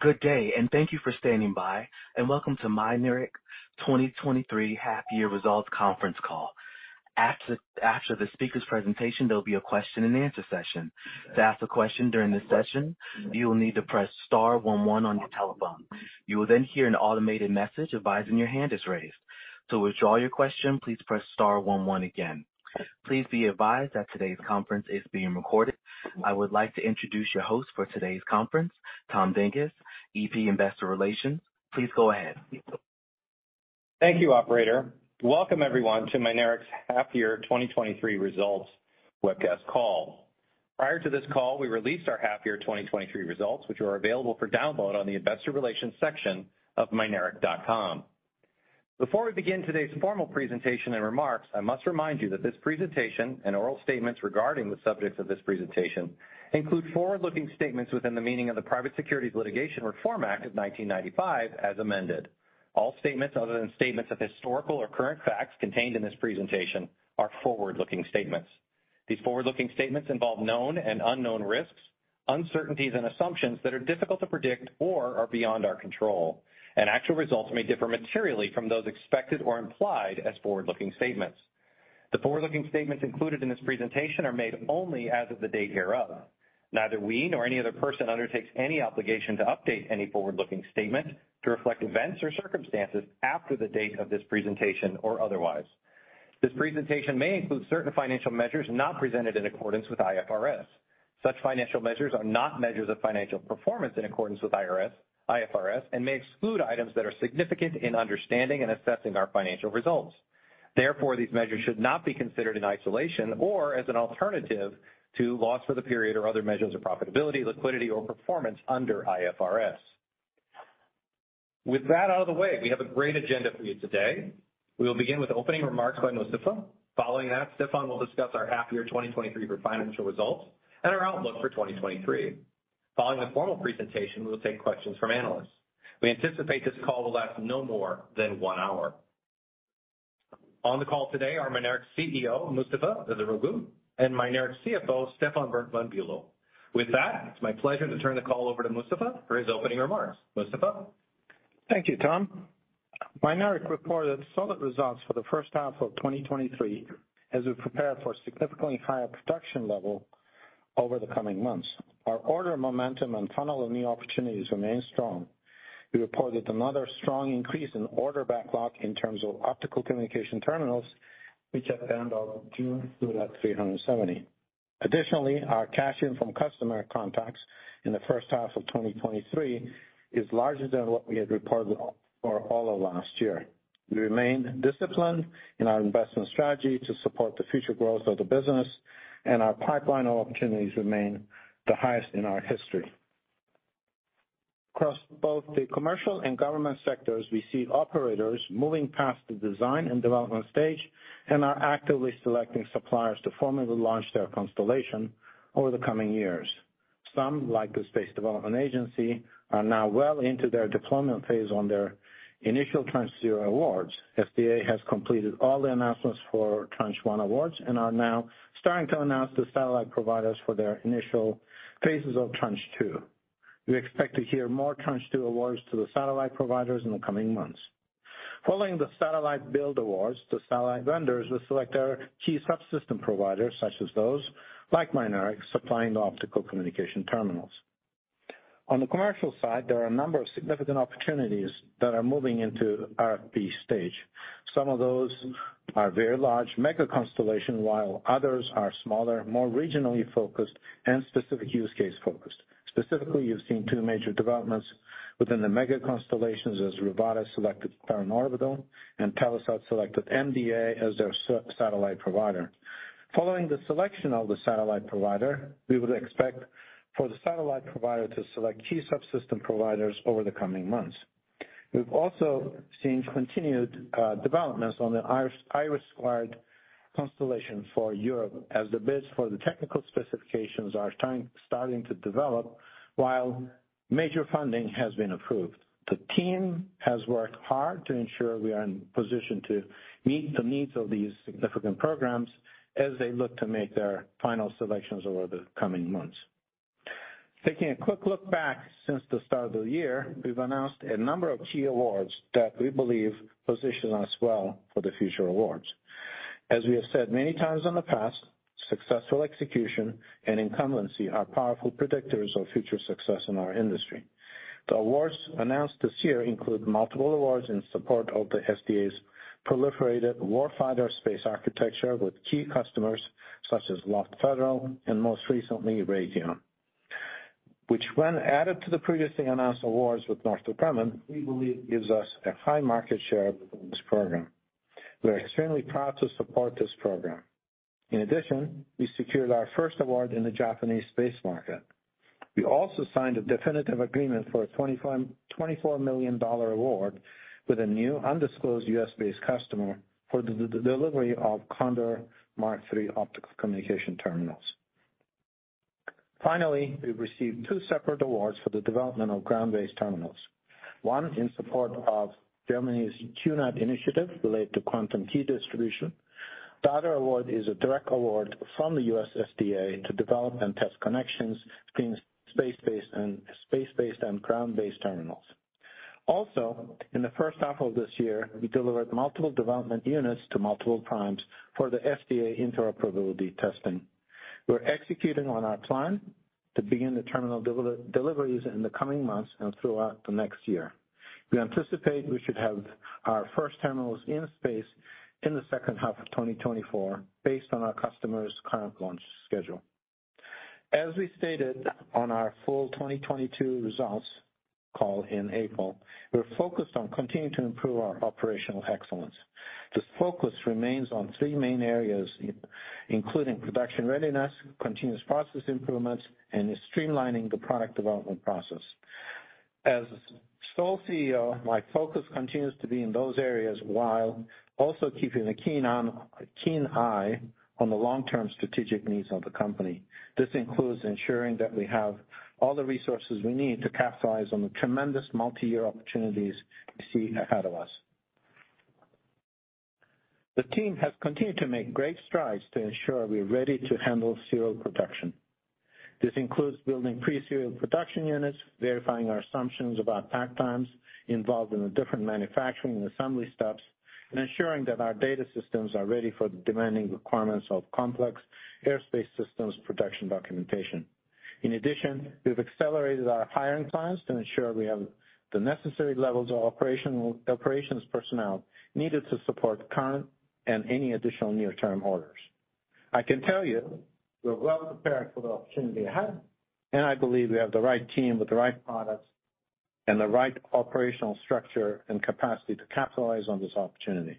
Good day, and thank you for standing by, and welcome to Mynaric's 2023 Half Year Results Conference Call. After the speaker's presentation, there'll be a question and answer session. To ask a question during this session, you will need to press star one one on your telephone. You will then hear an automated message advising your hand is raised. To withdraw your question, please press star one one again. Please be advised that today's conference is being recorded. I would like to introduce your host for today's conference, Tom Dinges, VP Investor Relations. Please go ahead. Thank you, operator. Welcome everyone to Mynaric's Half Year 2023 Results Webcast Call. Prior to this call, we released our half year 2023 results, which are available for download on the investor relations section of mynaric.com. Before we begin today's formal presentation and remarks, I must remind you that this presentation and oral statements regarding the subjects of this presentation include forward-looking statements within the meaning of the Private Securities Litigation Reform Act of 1995, as amended. All statements other than statements of historical or current facts contained in this presentation are forward-looking statements. These forward-looking statements involve known and unknown risks, uncertainties, and assumptions that are difficult to predict or are beyond our control, and actual results may differ materially from those expected or implied as forward-looking statements. The forward-looking statements included in this presentation are made only as of the date hereof. Neither we nor any other person undertakes any obligation to update any forward-looking statement to reflect events or circumstances after the date of this presentation or otherwise. This presentation may include certain financial measures not presented in accordance with IFRS. Such financial measures are not measures of financial performance in accordance with IFRS, and may exclude items that are significant in understanding and assessing our financial results. Therefore, these measures should not be considered in isolation or as an alternative to loss for the period or other measures of profitability, liquidity, or performance under IFRS. With that out of the way, we have a great agenda for you today. We will begin with opening remarks by Mustafa. Following that, Stefan will discuss our half year 2023 financial results and our outlook for 2023. Following the formal presentation, we will take questions from analysts. We anticipate this call will last no more than one hour. On the call today are Mynaric's CEO, Mustafa Veziroglu, and Mynaric's CFO, Stefan Berndt-von Bülow. With that, it's my pleasure to turn the call over to Mustafa for his opening remarks. Mustafa? Thank you, Tom. Mynaric reported solid results for the first half of 2023 as we prepare for significantly higher production level over the coming months. Our order, momentum, and funnel of new opportunities remain strong. We reported another strong increase in order backlog in terms of optical communication terminals, which at the end of June stood at 370. Additionally, our cash in from customer contracts in the first half of 2023 is larger than what we had reported for all of last year. We remain disciplined in our investment strategy to support the future growth of the business, and our pipeline of opportunities remain the highest in our history. Across both the commercial and government sectors, we see operators moving past the design and development stage and are actively selecting suppliers to formally launch their constellation over the coming years. Some, like the Space Development Agency, are now well into their deployment phase on their initial Tranche 0 awards. SDA has completed all the announcements for Tranche 1 awards and are now starting to announce the satellite providers for their initial phases of Tranche 2. We expect to hear more Tranche 2 awards to the satellite providers in the coming months. Following the satellite build awards, the satellite vendors will select their key subsystem providers, such as those, like Mynaric, supplying the optical communication terminals. On the commercial side, there are a number of significant opportunities that are moving into RFP stage. Some of those are very large mega constellation, while others are smaller, more regionally focused and specific use case focused. Specifically, you've seen two major developments within the mega constellations as Rivada selected Terran Orbital and Telesat selected MDA as their satellite provider. Following the selection of the satellite provider, we would expect for the satellite provider to select key subsystem providers over the coming months. We've also seen continued developments on the IRIS² constellation for Europe, as the bids for the technical specifications are starting to develop, while major funding has been approved. The team has worked hard to ensure we are in position to meet the needs of these significant programs as they look to make their final selections over the coming months. Taking a quick look back since the start of the year, we've announced a number of key awards that we believe position us well for the future awards. As we have said many times in the past, successful execution and incumbency are powerful predictors of future success in our industry. The awards announced this year include multiple awards in support of the SDA's Proliferated Warfighter Space Architecture with key customers such as L3 Federal and most recently, Raytheon, which when added to the previously announced awards with Northrop Grumman, we believe gives us a high market share within this program. We are extremely proud to support this program. In addition, we secured our first award in the Japanese space market. We also signed a definitive agreement for a $24 million award with a new, undisclosed U.S.-based customer for the delivery of CONDOR Mk3 optical communication terminals. Finally, we've received two separate awards for the development of ground-based terminals. One in support of Germany's QNet initiative related to quantum key distribution. The other award is a direct award from the U.S. SDA to develop and test connections between space-based and ground-based terminals. Also, in the first half of this year, we delivered multiple development units to multiple primes for the SDA interoperability testing. We're executing on our plan to begin the terminal deliver, deliveries in the coming months and throughout the next year. We anticipate we should have our first terminals in space in the second half of 2024, based on our customer's current launch schedule. As we stated on our full 2022 results call in April, we're focused on continuing to improve our operational excellence. This focus remains on three main areas, including production readiness, continuous process improvements, and streamlining the product development process. As sole CEO, my focus continues to be in those areas, while also keeping a keen eye on the long-term strategic needs of the company. This includes ensuring that we have all the resources we need to capitalize on the tremendous multi-year opportunities we see ahead of us. The team has continued to make great strides to ensure we're ready to handle serial production. This includes building pre-serial production units, verifying our assumptions about takt times involved in the different manufacturing and assembly steps, and ensuring that our data systems are ready for the demanding requirements of complex airspace systems production documentation. In addition, we've accelerated our hiring plans to ensure we have the necessary levels of operations personnel needed to support the current and any additional near-term orders. I can tell you we're well prepared for the opportunity ahead, and I believe we have the right team with the right products and the right operational structure and capacity to capitalize on this opportunity.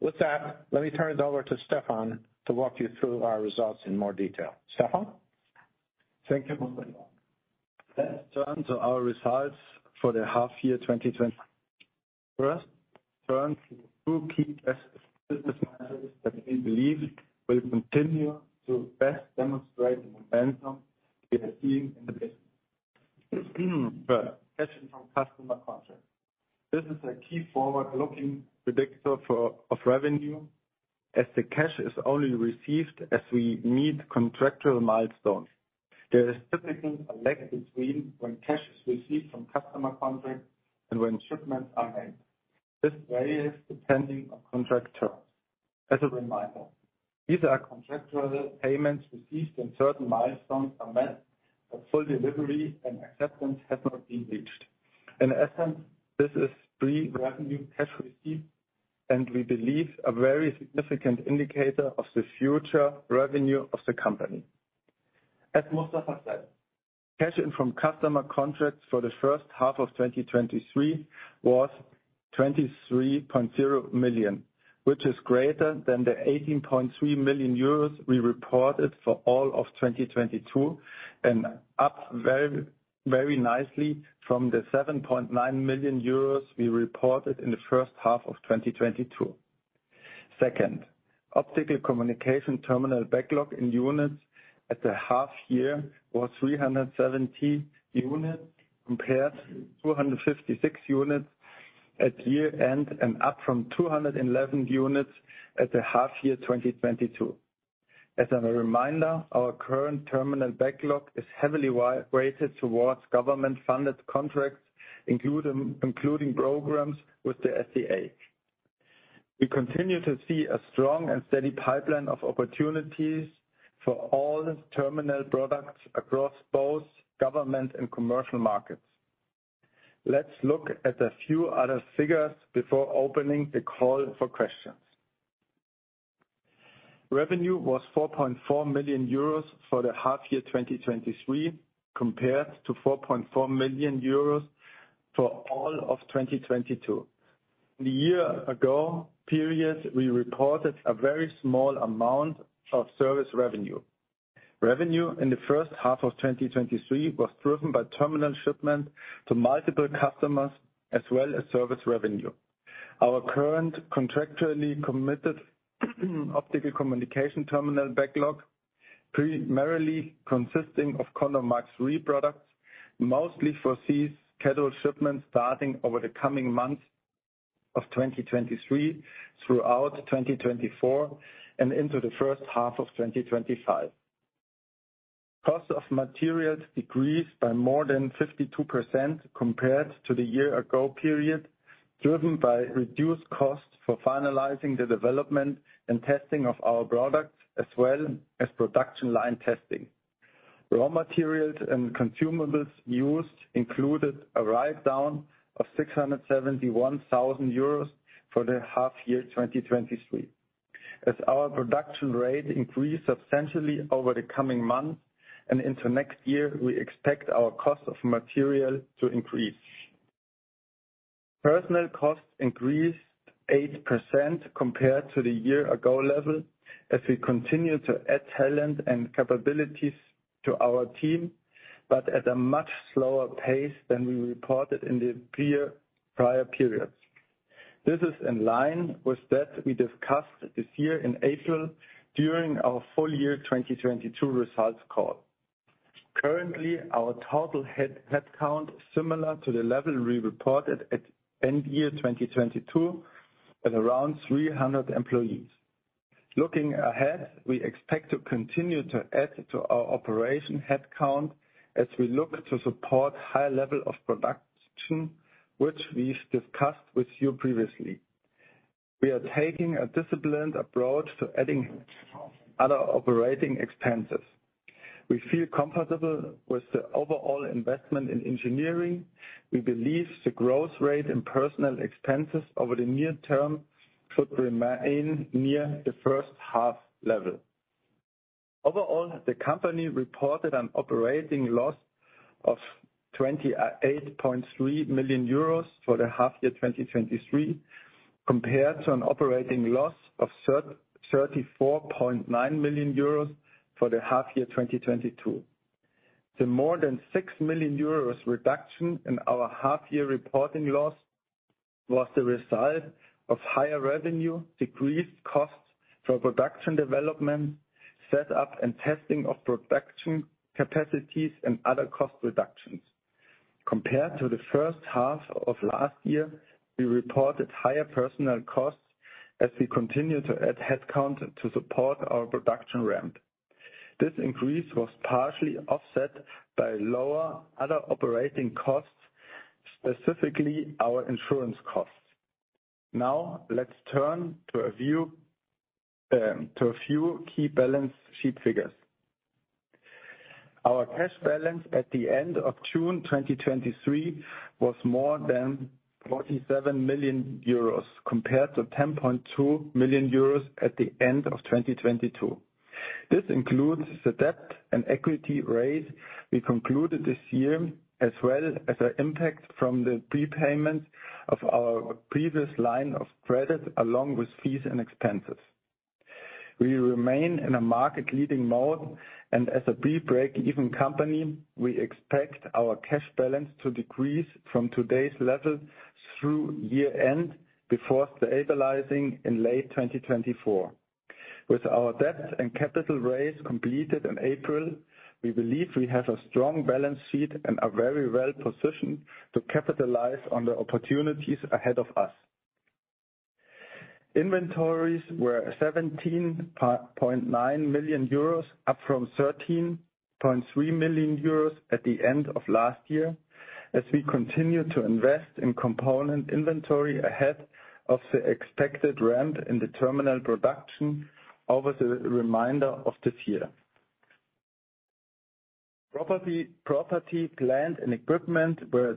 With that, let me turn it over to Stefan to walk you through our results in more detail. Stefan? Thank you, Mustafa. Let's turn to our results for the half year 2020. First, turn to two key business measures that we believe will continue to best demonstrate the momentum we are seeing in the business. First, cash in from customer contracts. This is a key forward-looking predictor for, of revenue, as the cash is only received as we meet contractual milestones. There is typically a lag between when cash is received from customer contracts and when shipments are made. This varies depending on contract terms. As a reminder, these are contractual payments received when certain milestones are met, but full delivery and acceptance has not been reached. In essence, this is pre-revenue cash received, and we believe a very significant indicator of the future revenue of the company. As Mustafa said, cash in from customer contracts for the first half of 2023 was 23.0 million, which is greater than the 18.3 million euros we reported for all of 2022, and up very, very nicely from the 7.9 million euros we reported in the first half of 2022. Second, optical communication terminal backlog in units at the half year was 370 units, compared to 256 units at year-end, and up from 211 units at the half year, 2022. As a reminder, our current terminal backlog is heavily weighted towards government-funded contracts, including programs with the SDA. We continue to see a strong and steady pipeline of opportunities for all terminal products across both government and commercial markets. Let's look at a few other figures before opening the call for questions. Revenue was 4.4 million euros for the half year, 2023, compared to 4.4 million euros for all of 2022. In the year ago period, we reported a very small amount of service revenue. Revenue in the first half of 2023 was driven by terminal shipments to multiple customers, as well as service revenue. Our current contractually committed optical communication terminal backlog, primarily consisting of CONDOR Mk3 products, mostly foresees scheduled shipments starting over the coming months of 2023, throughout 2024, and into the first half of 2025. Cost of materials decreased by more than 52% compared to the year ago period, driven by reduced costs for finalizing the development and testing of our products, as well as production line testing. Raw materials and consumables used included a write-down of 671 thousand euros for the half year 2023. As our production rate increases substantially over the coming months and into next year, we expect our cost of material to increase. Personnel costs increased 8% compared to the year-ago level, as we continue to add talent and capabilities to our team, but at a much slower pace than we reported in the prior periods. This is in line with that we discussed this year in April during our full year 2022 Results Call. Currently, our total headcount is similar to the level we reported at end year 2022, at around 300 employees. Looking ahead, we expect to continue to add to our operation headcount as we look to support high level of production, which we've discussed with you previously. We are taking a disciplined approach to adding other operating expenses. We feel comfortable with the overall investment in engineering. We believe the growth rate in personnel expenses over the near term should remain near the first half level. Overall, the company reported an operating loss of 28.3 million euros for the half year 2023, compared to an operating loss of 34.9 million euros for the half year 2022. The more than 6 million euros reduction in our half year reporting loss was the result of higher revenue, decreased costs for production development, set up and testing of production capacities, and other cost reductions. Compared to the first half of last year, we reported higher personnel costs as we continue to add headcount to support our production ramp. This increase was partially offset by lower other operating costs, specifically our insurance costs. Now, let's turn to a view, to a few key balance sheet figures. Our cash balance at the end of June 2023 was more than 47 million euros, compared to 10.2 million euros at the end of 2022. This includes the debt and equity raise we concluded this year, as well as the impact from the prepayment of our previous line of credit, along with fees and expenses. We remain in a market-leading mode, and as a pre-break-even company, we expect our cash balance to decrease from today's level through year-end, before stabilizing in late 2024. With our debt and capital raise completed in April, we believe we have a strong balance sheet and are very well positioned to capitalize on the opportunities ahead of us. Inventories were 17.9 million euros, up from 13.3 million euros at the end of last year, as we continue to invest in component inventory ahead of the expected ramp in the terminal production over the remainder of this year. Property, land, and equipment were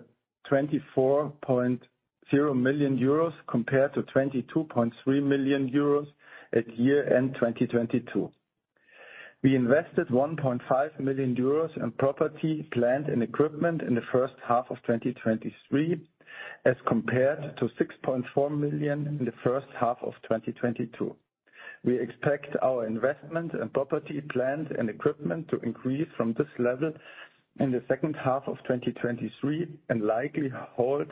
24.0 million euros, compared to 22.3 million euros at year-end 2022. We invested 1.5 million euros in property, plant, and equipment in the first half of 2023, as compared to 6.4 million in the first half of 2022. We expect our investment in property, plant, and equipment to increase from this level in the second half of 2023, and likely hold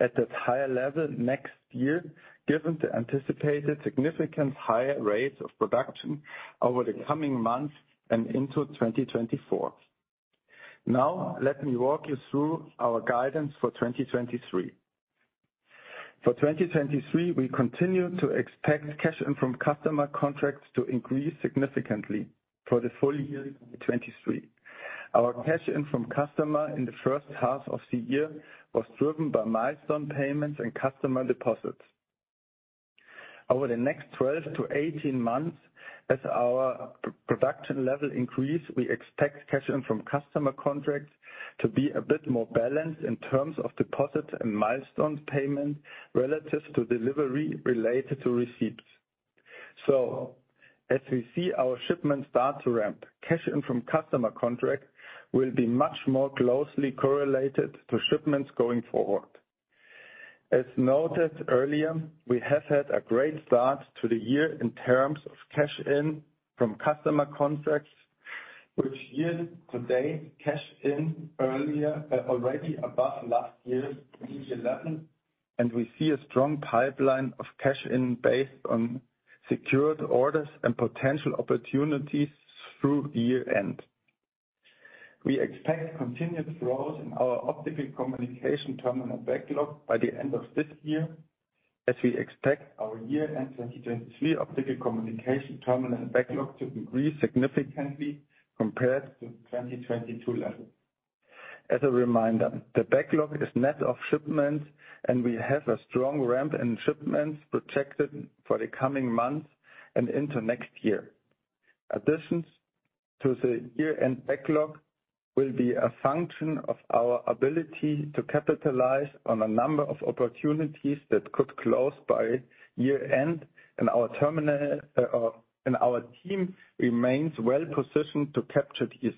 at a higher level next year, given the anticipated significant higher rates of production over the coming months and into 2024. Now, let me walk you through our guidance for 2023. For 2023, we continue to expect cash in from customer contracts to increase significantly for the full year 2023. Our cash in from customers in the first half of the year was driven by milestone payments and customer deposits. Over the next 12-18 months, as our production level increases, we expect cash in from customer contracts to be a bit more balanced in terms of deposits and milestone payments, relative to delivery related to receipts. So as we see our shipments start to ramp, cash in from customer contracts will be much more closely correlated to shipments going forward. As noted earlier, we have had a great start to the year in terms of cash in from customer contracts, which year-to-date, cash in earlier already above last year's level, and we see a strong pipeline of cash in based on secured orders and potential opportunities through the end. We expect continued growth in our Optical Communication Terminal backlog by the end of this year, as we expect our year-end 2023 Optical Communication Terminal backlog to increase significantly compared to 2022 level. As a reminder, the backlog is net of shipments, and we have a strong ramp in shipments projected for the coming months and into next year. Additions to the year-end backlog will be a function of our ability to capitalize on a number of opportunities that could close by year-end, and our terminal and our team remains well positioned to capture these.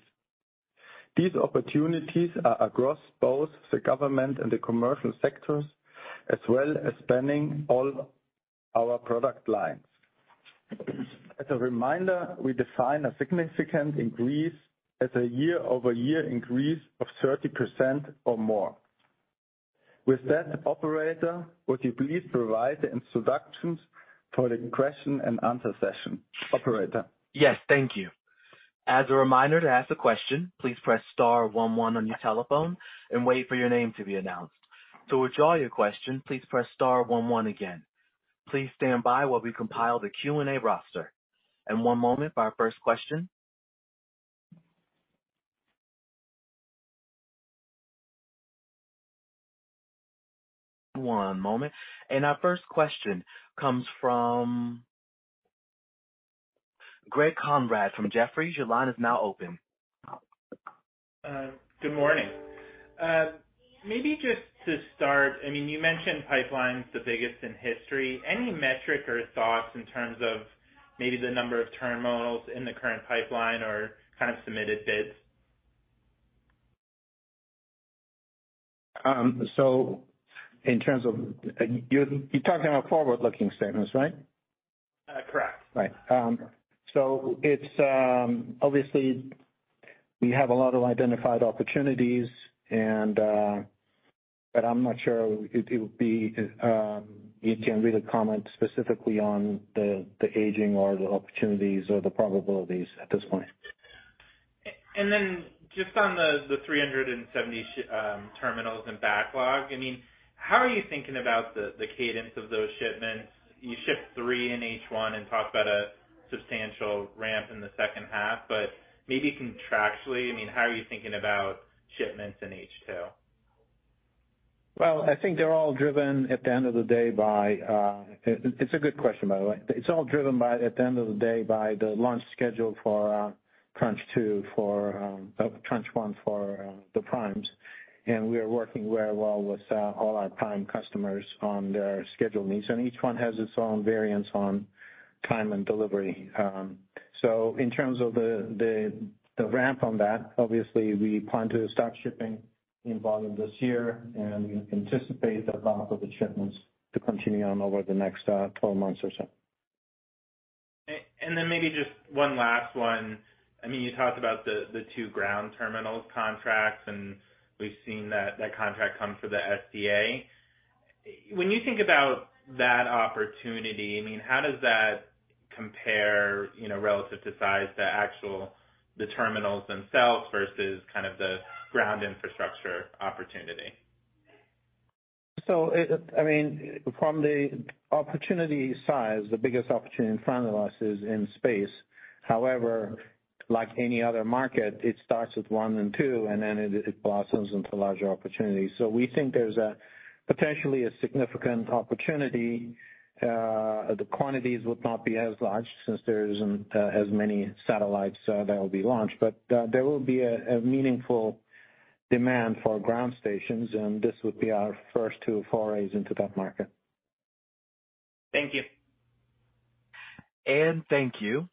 These opportunities are across both the government and the commercial sectors, as well as spanning all-... our product lines. As a reminder, we define a significant increase as a year-over-year increase of 30% or more. With that, operator, would you please provide the instructions for the question and answer session? Operator. Yes, thank you. As a reminder, to ask a question, please press star one one on your telephone and wait for your name to be announced. To withdraw your question, please press star one one again. Please stand by while we compile the Q&A roster. One moment for our first question. One moment. Our first question comes from Greg Konrad from Jefferies. Your line is now open. Good morning. Maybe just to start, I mean, you mentioned pipelines, the biggest in history. Any metric or thoughts in terms of maybe the number of terminals in the current pipeline or kind of submitted bids? So, in terms of, you're talking about forward-looking statements, right? Uh, correct. Right. So it's obvious we have a lot of identified opportunities, but I'm not sure it would be. You can really comment specifically on the timing or the opportunities or the probabilities at this point. Then just on the 370 terminals and backlog, I mean, how are you thinking about the cadence of those shipments? You shipped three in H1 and talked about a substantial ramp in the second half, but maybe contractually, I mean, how are you thinking about shipments in H2? Well, I think they're all driven, at the end of the day, by... it's a good question, by the way. It's all driven by, at the end of the day, by the launch schedule for Tranche 2 for Tranche 1 for the primes. And we are working very well with all our prime customers on their schedule needs, and each one has its own variance on time and delivery. So in terms of the ramp on that, obviously, we plan to start shipping in volume this year, and we anticipate the volume of the shipments to continue on over the next 12 months or so. And then maybe just one last one. I mean, you talked about the two ground terminals contracts, and we've seen that contract come for the SDA. When you think about that opportunity, I mean, how does that compare, you know, relative to size, to actual, the terminals themselves versus kind of the ground infrastructure opportunity? So, I mean, from the opportunity size, the biggest opportunity in front of us is in space. However, like any other market, it starts with one and two, and then it blossoms into larger opportunities. So we think there's potentially a significant opportunity. The quantities would not be as large since there isn't as many satellites that will be launched. But there will be a meaningful demand for ground stations, and this would be our first two forays into that market. Thank you. Thank you.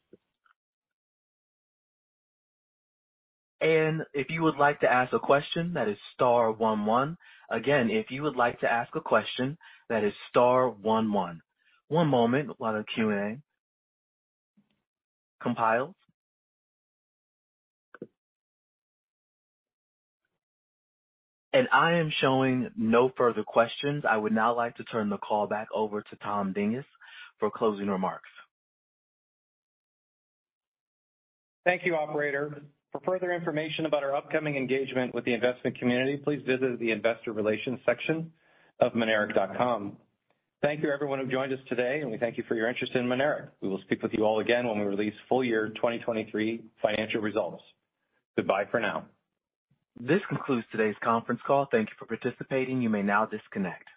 If you would like to ask a question, that is star one one. Again, if you would like to ask a question, that is star one one. One moment, while our Q&A compiles. I am showing no further questions. I would now like to turn the call back over to Tom Dinges for closing remarks. Thank you, operator. For further information about our upcoming engagement with the investment community, please visit the Investor Relations section of mynaric.com. Thank you, everyone, who joined us today, and we thank you for your interest in Mynaric. We will speak with you all again when we release full year 2023 financial results. Goodbye for now. This concludes today's conference call. Thank you for participating. You may now disconnect.